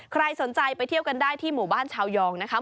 ใครสนใจไปเที่ยวกันได้ที่หมู่บ้านชาวยองนะคะ